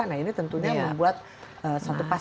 nah ini tentunya membuat suatu pasar